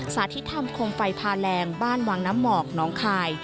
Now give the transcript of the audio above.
สาธิตธรรมโคมไฟพาแรงบ้านวังน้ำหมอกน้องคาย